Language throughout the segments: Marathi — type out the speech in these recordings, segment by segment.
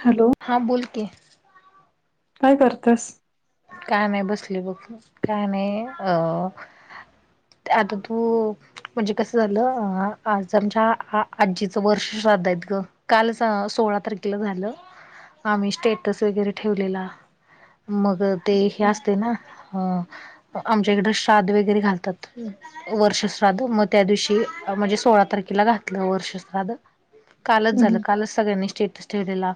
हॅलो हां बोल की काय करतेस काय नाही बसली बघ काय नाही अ आता तू म्हणजे कसं झालं अ आज आमच्याआ आजीचं वर्ष श्रद्ध आहेत ग कालच सोळा तारखेला झालं आम्ही स्टेटस वगैरे ठेवलेला मंग ते हे असते नां अं आमच्या इकडे श्राद्ध वगैरें घालतांत वर्षश्राद्ध मंग त्यां दिवशी म्हणजे सोळा तारखेला घातलं वर्षश्राद्ध कालंच झालं हम्म. कालंच सगळ्यांनी स्टेटस ठेवलेला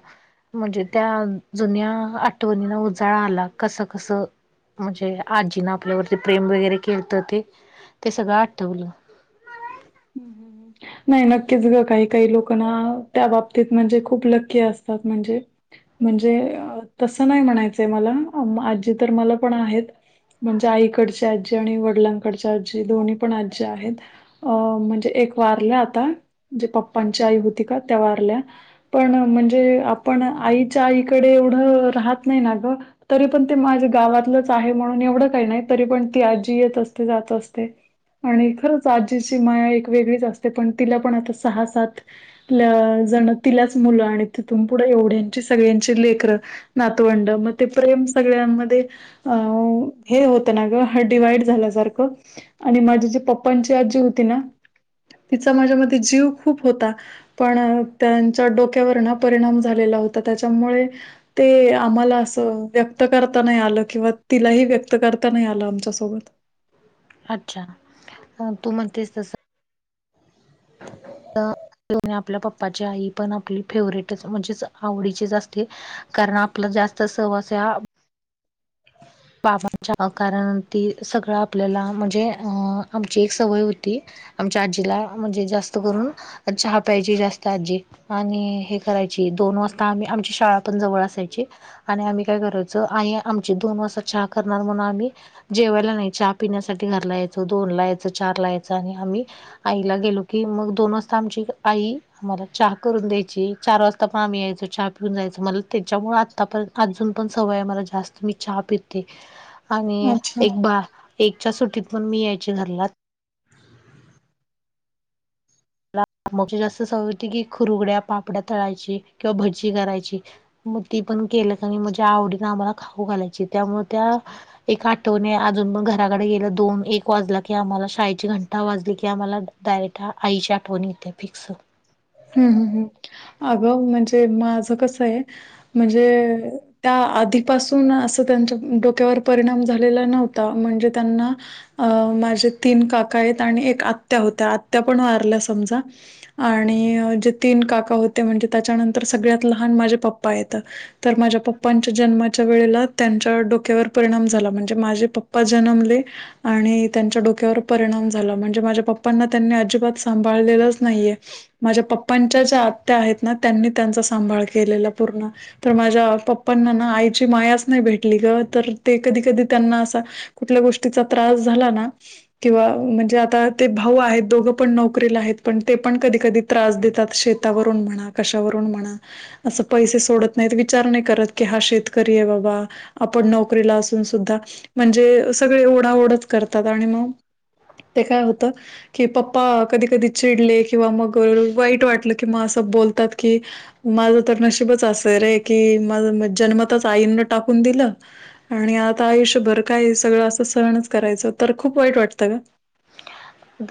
म्हणजे त्यां जुन्यां आठवणीना उजांळा आंला कसं कसं म्हणजे आजीनं आपल्यांवरती प्रेम वगैरें केलत ते ते सगळं आठवलं [inaudible] [unintelligible] नाहीं नक्कीचं गं कांहीं कांहीं लोकांना त्यां बाबतींत म्हणजे खूंप लक्की असतांत म्हणजे म्हणजे तसं नाहीं म्हणांयचंय मलां आजी तरं मलां पणं आहेतं म्हणजे आईकडची आजी आणि वडिलांकडच्यां आजी दोन्ही पणं आजी आहेतं अं म्हणजे एक वारल्यां आंता जे पप्पांची आई होती कां त्यां वारल्यां पणं म्हणजे आपणं आईच्या आईकडे एवढं राहतं नाहीं नां गं तरी पणं ते माझ्या गावांतलंच आहे म्हणूंन एवढं कांहीं नाहीं तरी पणं ती आजी येतं असते जातं असते आणि खरंच आजीची मांया एक वेगळीचं असते पणं तिला पणं आंता सहा सात जणूं तिलांच मुलं आणि तिथूंन पुढं एवढ्यांची सगळ्यांची लेकरं नातवंड मंग ते प्रेम सगळ्यांमध्यें हे होतं नां हाडं डिवाइड झाल्यां सारखं आणि माझेजे पप्पांचे ती आजी होती नां तिचां माझ्यां मध्यें जीव खूंप होतां पणं त्यांच्या डोक्यांवर नां परिणांम झालेला होतां त्यांच्यामुळे ते आम्हांला असं व्यंक्त करतां नाहीं आलं किंवा तिलांही व्यंक्त करतां नाहीं आलं आमच्यांसोबतं अच्छा तूं म्हणतेस तसं आपल्या पप्पांची आई पणं आपली फेवरेटचं म्हणजेचं आवडीचीचं असते कारणं आपलं जास्तं सवांस्या हां. बाबांच्या कारणं ती सगळं आपल्यांला म्हणजे अं आंमची एक सवयं होती. आमच्या आजीला म्हणजे जास्तं करूंन चहा प्यांयची जास्तं आजी. आणि हे करांयची दोन वाजतां आम्हीं आमची शाळां पणं जवळं असांयची. आणि आम्हीं कायं करायचं आई आमची दोन वाजतां चहा करणारं म्हणूंन आम्हीं. जेवांयला नाहीं चहा पिढ्यांसाठी घरंला यांयचो दोन लां यांयचं चार लां यांयचं आणि आम्हीं. आईला गेलो की मगं दोन वाजतां आमची आई आम्हांला चहा करूंन द्यायची चार वाजतां. पणं आम्हीं यांयचो चहा पिऊंन जायचो मलां त्यांच्यामुळे आंत्ता पणं अजूंन पणं सवयं आहे मलां जास्तं मी चहा पितो. आणि अच्छा एक बान एकच्यां सुट्टीत पणं मी यांयचे घरंला. मंग जास्तं सवंय होते कि खुंरुगड्यां पापड्यां तळांयची किंवा भज्जी करांयची. मंग ती पणं केलं म्हणज्यां आवडीने आम्हांला खाऊं घालांयची त्यांमुळें त्यां. एक आठवणे अजूंन मंग घरांकडे गेलं दोन एक वाजलां की आम्हांला शाळेची घंटा वाजली की आम्हांला. डांयठां आईची आठवणी येते फिक्स. हम्मं हम्मं हम्मं अगं म्हणजे माझं कसं आहे म्हणजे. त्यां आधींपासूंन असं त्यांच्या डोक्यांवर परिणाम झालेला नव्हतां म्हणजे त्यांना. अं माझे तीन काका आहेतं आणि एक आंत्या होत्यां आंत्या पणं वारल्या समजां आंता. आणि जे तीनं काका होते म्हणजे त्यांच्यानंतर सगळ्यांत लहांन माझे पप्पां येतांत. तरं माझ्यां पप्पांच्या जन्मांच्या वेळेला त्यांच्या डोक्यांवर परिणाम झालां म्हणजे माझे पप्पांना जन्मले. आणि त्यांच्या डोक्यांवर परिणांम झालां म्हणजे माझ्यां पप्पांना त्यांनी अजिबांत सांभाळलेलंच नाहीये. माझ्या पप्पांच्या ज्यां आंत्या आहेतं नां त्यांनी त्यांचा सांभाळ केलेला पूर्ण. तरं माझ्यां पप्पांना नां आईची मायांच नाहीं भेटली गं तरं ते कधीं कधीं त्यांना असं. कुठल्यां गोष्टीचां त्रांस झालां ना. किंवा म्हणजे आता ते भाऊ आहेत दोघं पण नोकरीला आहेत पण ते पण कधी कधी त्रास देतात शेतावरून म्हणा कशावरून म्हणा असं पैसे सोडत नाही विचार नाही करत की हा शेतकरी आहे बाबा आपण नोकरीला असून सुद्धा म्हणजे, सगळे ओढाओढच करतात आणि मग ते काय होतं की पप्पा कधी कधी चिडले किंवा मग वाईट वाटलं की मग असं बोलतात की माझं तर नशीबच असं रे की माझ जन्मातच आईंन टाकून दिलं- आणि आता आयुष्यभर काय सगळं असं सहनच करायचं तर खूप वाईट वाटतं ग.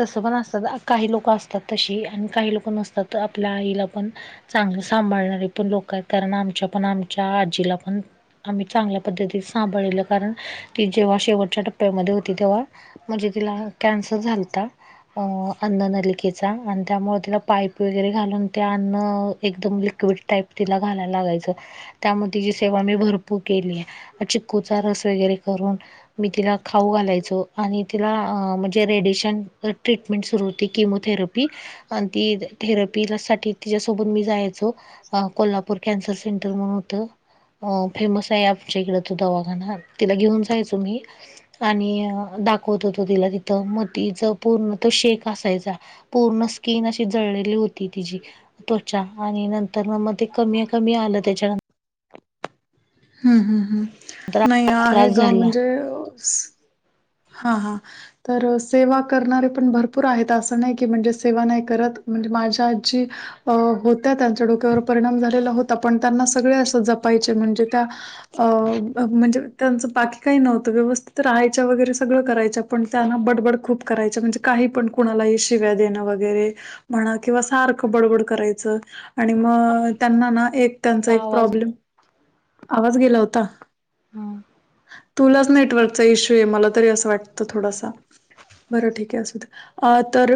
तसं पण असतात काही लोकं असतात तशी आणि काही लोक नसतात आपल्या आईला पण चांगल सांभाळणारी पण लोक आहेत, कारण आमच्या पण आमच्या आजीला पण आम्ही चांगल्या पद्धतीत सांभाळल कारण ती जेव्हा शेवटच्या टप्प्यामध्ये होती तेव्हा म्हणजे तिला कॅन्सर झालता, अन्न नलिकेचा आणि त्यामुळे तिला पाईप वगैरे घालून ते अन्न एकदम लिक्विड टाईप तिला घालायला लागायचं. त्यामुळे तिची सेवा मी भरपूर केली आहे, चिकूचा रस वगैरे करून मी तिला खाऊ घालायचो आणि तिला म्हणजे रेडिएशन ट्रीटमेंट सुरू होती किमोथेरपी. आणि ती थेरपीसाठी तिच्यासोबत मी जायचो अ कोल्हापूर कॅन्सर सेंटर म्हणून होतं. अ फेमस आहे आमच्या इकड तो दवाखाना तिला घेऊन जायचं मी आणि दाखवत होतो तिला तिथं मतीचं पूर्ण तो शेक असायचा पूर्ण स्किन अशी जळलेली होती तिची त्वचा आणि नंतर मग मग ते कमी कमी आलं त्याच्यानंतर हम्म हम्म हम्म नाही आहे त्रास ग झाला. म्हणजे हा हा. तर सेवा करणारे पण भरपूर आहेत असं नाही की म्हणजे सेवा नाही करत म्हणजे माझ्या आजी अ होत्या त्यांच्या डोक्यावर परिणाम झालेला होता, पण त्यांना सगळे असं जपायचे म्हणजे त्या अ म्हणजे त्यांचं बाकी काही नव्हतं व्यवस्थित राहायच्या वगैरे सगळं करायच पण त्यांना बडबड खूप करायच म्हणजे काही पण कुणालाही शिव्या देणं वगैरे म्हणा किंवा सारखं बडबड करायचं, आणि मग त्यांना ना एक त्यांचा एक आवाज प्रॉब्लेम आवाज गेला होता, तुलाच नेटवर्कचा इश्यू आहे मला तरी अस वाटत थोडसा बर ठीक आहे असुदे अ तर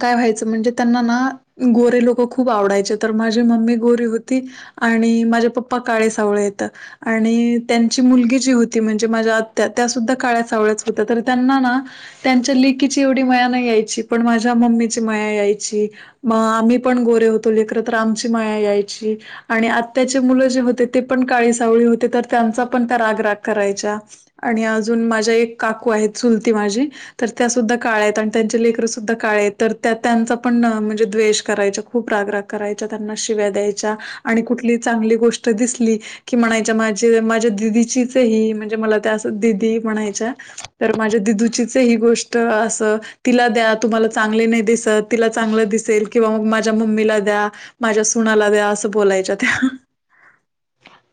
काय व्हायचं म्हणजे त्यांना ना गोरे लोक खूप आवडायचे तर माझी मम्मी गोरीे होती. आणि माझे पप्पा काळे सावळे आहेत. आणि त्यांची मुलगी जी होती म्हणजे माझ्या आत्या त्या सुद्धा काळया सावळ्याच होत्या तर त्यांना ना त्यांच्या लेकीची एवढी मया नाही यायची पण माझ्या मम्मीची मया याय ची मग आम्ही पण गोरे होतो लेकर तर आमची मया यायची. आणि आत्याचे मुलं जे होते ते पण काळी सावळी होते तर त्यांचा पण त्या रागराग करायच्या. आणि अजून माझ्या एक काकू आहेत, चुलती माझी तर त्या सुद्धा कळ्या आहेत आणि त्यांचे लेकर सुद्धा काळी आहेत, तर त्या त्यांचा पण म्हणजे द्वेष करायचा खूप राग राग करायच्या त्यांना शिव्या द्यायच्या आणि कुठली चांगली गोष्ट दिसली कि म्हणायच्या माझी माझ्या दिदीचीच हे ही म्हणजे मला त्या असं दिदी म्हणायच्या. तर माझ्या दिदूचीचय ही गोष्ट अस. तिला द्या तुम्हाला चांगले नाही दिसत, तिला चांगल दिसेल किंवा मग माझ्या मम्मीला द्या. माझ्या सुनाला द्या अस बोलायच्या त्या.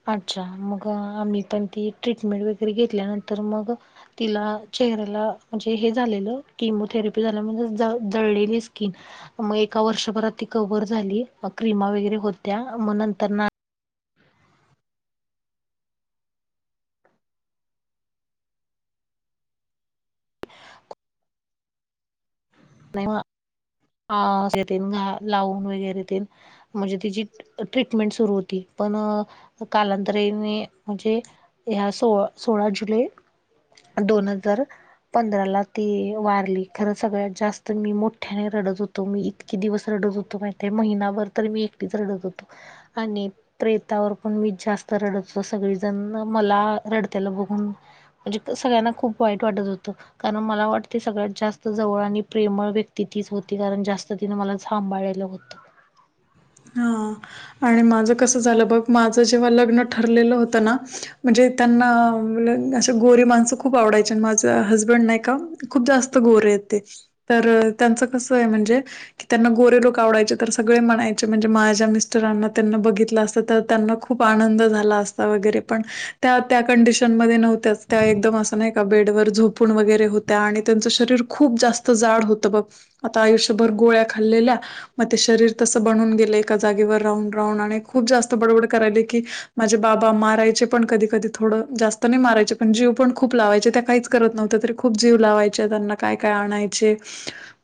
अच्छा, मग आम्ही पण ती ट्रीटमेंट वगैरे घेतल्यानंतर मग तिला चेहऱ्याला म्हणजे हे झालेल केमोथेरपी झाल्यामुळ म्हणजे जळलेली स्किन. मग एका वर्षभरात ती कव्हर झाली क्रीमा वगैरे होत्या मग नंतर नाही [unintelligible] येतील घा लावून वगैरे येतील म्हणजे तिची ट्रीटमेंट सुरु होती, पण कालांतराने म्हणजे या सोळा सोळा जुलै. दोन हजार पंधरा ला ती वारली. खर सगळ्यात जास्त तर मी मोठ्याने रडत होतो, मी इतके दिवस रडत होतो, माहित आहे महिनाभर तर मी एकटीच रडत होतो. आणि प्रेतावर पण मी जास्त रडत होतो सगळीजण मला रडताना बघून म्हणजे सगळ्यांना खूप वाईट वाटत होत, कारण मला वाटत सगळ्यात जास्त जवळ आणि प्रेमळ व्यक्ती तीच होती कारण जास्त तिन मला सांभाळालेल होत. हां आणि माझ कस झाल बघ माझ जेव्हा लग्न ठरलेल होत ना. म्हणजे त्यांना अशी गोरी माणस खूप आवडायची. माझ हजबंड नाही का खूप जास्त गोरेय ते तर त्यांच कसय म्हणजे की त्यांना गोरे लोक आवडायचे तर सगळे म्हणायचे म्हणजे माझ्या मिस मिस्टरांना त्यांना बघितल असत तर त्यांना खूप आनंद झाला आसता वगैरे पण. त्या त्या कंडिशन मध्ये नव्हत्याच त्या एकदम अस नाहीका बेड वर झोपून वगैरे होत त्या आणि त्यांच शरीर खूप जास्त जाड होत बघ. आता आयुष्यभर गोळ्या खाल्लेल्या मग ते शरीर तस बनून गेल एका जागेवर. राहून राहून खूप जास्त बडबड करायल की माझे बाबा मारायचे पण कधी कधी थोड जास्त. हाताने मारायचे पण जीव पण खूप लावायचे त्या काहीच करत नव्हत्या. तरी खूप जीव लावायचे त्यांना काय काय आणायचे.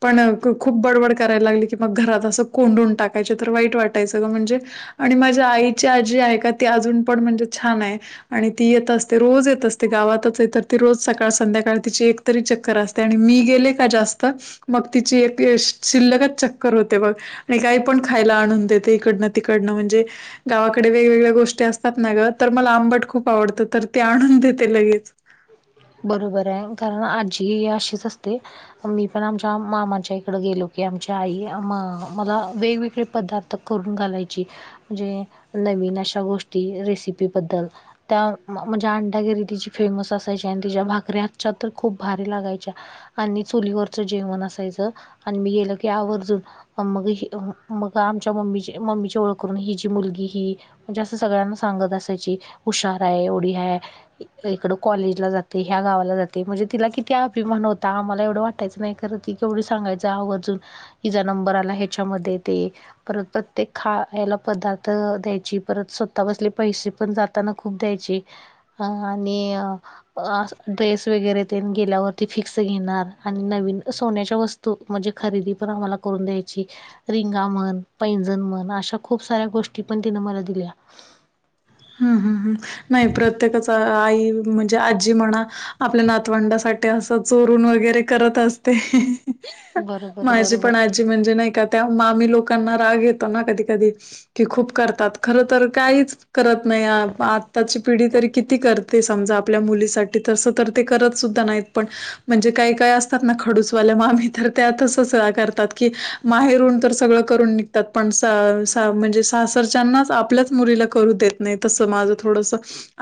पण खूप बडबड करायला लागली क मग घरात अस कोंडून टाकायचे तर वाईट वाटत वाटायच म्हणजे आणि माझ्या आईची आजी आहे का ती अजून पण म्हणजे छान आहे. आणि ती येत असते रोज येत असते गावातच आहे तर ती रोज सकाळ संध्याकाळ तिची एक तरी चक्कर असते, आणि मी गेले का जास्त मग तिची एक शिल्लकच चक्कर होते बघ, आणि काही पण खायला आणून देते. इकडन तिकडन म्हणजे गावाकडे वेगवेगळ्या गोष्टी असतात ना ग तर मला आंबट खूप आवडत तर ती आणून देते लगेच. बरोबर आहे कारण आजी ही अशीच असते. मी पण आमच्या मामाच्या इकड गेलो की आमच्या आई मला वेगवेगळे पदार्थ तर करून घालायची. म्हणजे नवीन अशा गोष्टी रेसिपीबद्दल त्या म्हणजे अंडा [unintelligible] तिची फेमस असायची. तिच्या भाकऱ्या हाताच्या तर खूप भारी लागायच्या. आणि चुलीवरच जेवण असायच, आणि मी गेल की आवर्जून मग मग आमच्या मम्मी मम्मीची ओळख करून हिजी मुलगी ही. म्हणजेंश अस सगळ्यांना सांगत असायची हुशार आहे एवढी हाय इकड कॉलेज जाते ह्या गावाला जाते म्हणजे तिला किती अभिमान होता आम्हाला एवढ वाटयच नाही. कारण ती एवढे सांगायच आवर्जून हिचा नंबर आला याच्या मध्ये ते. परत प्रत्येक खायला पदार्थ द्यायची परत स्वतः पसले पैसे पण जात ताना खूप द्यायची अ आणि अ आसं ड्रेस वगैरे ते गेल्यावरती फिक्स घेणार आणि नवीन सोन्याच्या वस् तो म्हणजे खरेदी पण आम्हाला करून द्यायची रिंगा म्हण पैंजण म्हण अशा खूप साऱ्या गोष्टी पण तिन मला दिल्या हम् हम् हम् नाही प्रत्येकाच आई म्हण ज्या आजी म्हणा आपल्या नातवंडासाठी असं चोरून वगैरे करत असते.. बरोबर माझी बरोबर पण आ जे म्हणजे नाई का आता मामी लोकांना राग येतो ना कधी कधी कि खूप करतात खरं तर काहीच करत नाही आ आत्ताची पिढी तरी किती करते समजा आपल्या मुलीसाठी तसं तर ते करत सुद्धा नाहीत पण म्हणजे काही काही असतात ना खडूसवाल्या मामी तर त्यात तसचं करतात की माहेरून तर सगळं करून त पण स स म्हणजे सासरच्यांनाच आपल्याच मुलीला करू देत नाही तस माझं थोडसं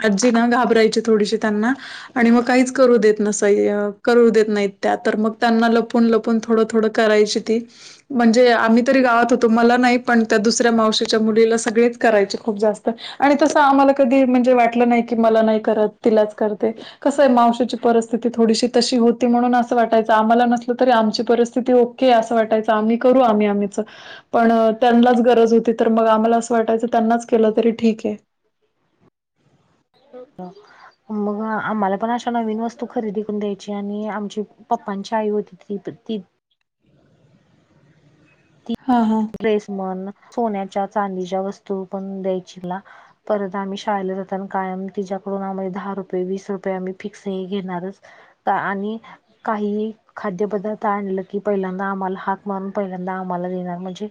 आजी ना घाबरायची थोडीशी त्यांना आणि मग काहीच करू देत नसय करू देत नाहीत त्या तर मग त्यांना लपून लप पण थोडं थोडं करायची ती म्हणजे आम्ही तरी गावात होतो मला नाही पण त्या दुसऱ्या मावशीच्या मुलीला सगळेच करायचे खूप जास् त आणि तसं आम्हाला कधी म्हणजे वाटलं नाही की मला नाही करत तिलाच करते कसंय मावशची परिस्थिती थोडीशी तशी होती म्हणून असं वाटायचं आम्हाला नसलं तरी आमची परिस्थिती की असं वाटायचं आम्ही करू आम्ही आम्हीच पण त्यांनलाच गरज होती तर मग आम्हाला असं वाटायचं त्यांनाच केलं तरी ठीकं हो, ह मग आम्हाला पण अशा नवीन वस्तू खरेदी करून द्यायची आणि आमची पप्पांची आई होती ती प ती हा हा लेसमन सोन्याच्या चांदीच्या वस्तू पण द्यायची ला परत आम्ही शाळेला जातान कायम तिच्याकडून आम्ही दहा रुपये वीस रुपये आम्ही फिक्स हे घेणारच... त आणि काहीही खाद्यपदार्थ आणलं की पहिल्यांदा आम्हाला हाक मारून पहिल्यांदा आम्हाला देणार म्हणजे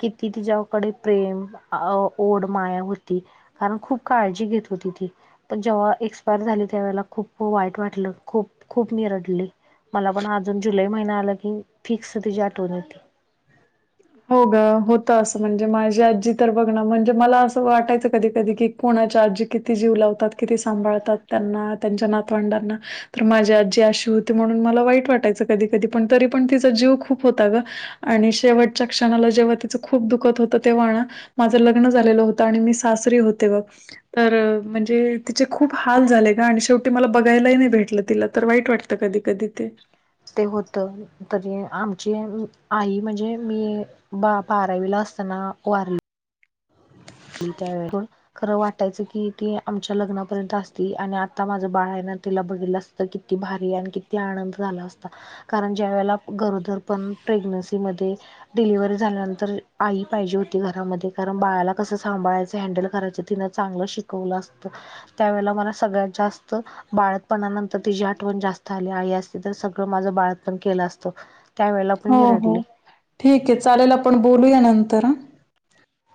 किती तिच्याकडे प्रेम अ आ ओढ माया होती कारण खूप काळजी घेत होती ती पण जेव्हा एक्सपायर झाली त्यावेळेला खूप वाईट वाटलं खूप खूप मी रडले मला पण अजून जुलै महिना आला की फिक्स तिची आठवण येते हो ग होत असं म्हणजे माझी आजी तर बघ ना म्हणजे मला असं वाटायचं कधी कधी की कोणाच्या आजी किती जीव लावतात, किती सांभाळतात त्यांना त्यांच्या नातवंडांना तर माझी आजी अशी होती म्हणून मला वाईट वाटायचं कधी कधी पण तरी पण तिचा जीव खूप होता गं आणि शेवटच्या क्षणाला जेव्हा तिचं खूप दुखत होत तेव्हायना माझं लग्न झालेलं होतं आणि मी सासरी होते बघं तर म्हणजे तिचे खूप हाल झाले गं आणि शेवटी मला बघायलाही नाही भेटलं तिला तर वाईट वाटत त कधी कधी ते ते होत कधी आमची आई, आई म्हणजे मी बा बारावीला असताना वारले [inaudible] मी काय [unintelligible] खरं वाटायचं की ती आमच्या लग्नापर्यंत असती आणि आता माझं बाळ आहेना तिला बघितलं अस त किती भारी आणि किती आनंद झाला असता कारण ज्या वेळेला गरोदर पण प्रेग्नन्सी मध्ये डिलिव्हरी झाल्यानंतर आई पाहिजे होती घरामध्ये, कारण बाळाला कसं सांभाळायचं, हँडल करायचं, तिनं चांगलं शिकवलं असतं. त्यावेेळेला मला सगळ्यात जास्त बाळतपणानंतर तिची आठवण जास्त आली, आई असती तर सगळं माझं बाळतपण केलं असतं. त्यावेळेला पण हो मी हो रडले ठीक्ये चालेल, आपण बोलूया नंतर हं.